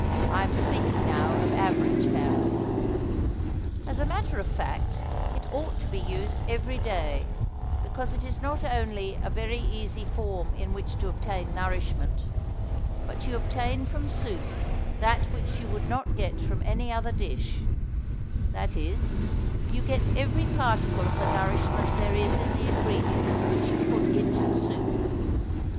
I am speaking now of average families. As a matter of fact, it ought to be used every day, because it is not only a very easy form in which to obtain nourishment, but you obtain from soup that which you would not get from any other dish; that is, you get every particle of the nourishment there is in the ingredients which you put into the soup.